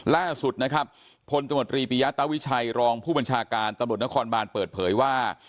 ล่าสุดนะครับพลตมตรีปียะตาวิชัยรองผู้บัญชาการตำรวจนครบานเปิดเผยว่า